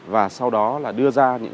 và sau đó là đưa ra những nội dung